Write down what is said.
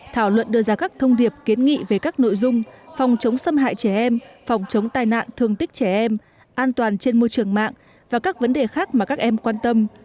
thảo luận đưa ra các thông điệp kiến nghị về các nội dung phòng chống xâm hại trẻ em phòng chống tai nạn thương tích trẻ em an toàn trên môi trường mạng và các vấn đề khác mà các em quan tâm